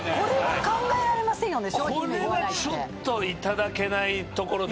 これはちょっといただけないところですよ。